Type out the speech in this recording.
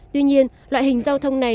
tuy nhiên loại hình giao thông này